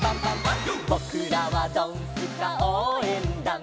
「ぼくらはドンスカおうえんだん」